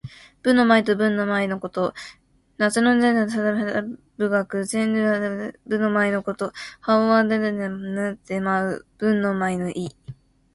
武の舞と文の舞のこと。夏の禹王が始めた舞楽。「干戚」はたてとまさかりを持って舞う、武の舞のこと。「羽旄」は雉の羽と旄牛の尾で作った飾りを持って舞う、文の舞の意。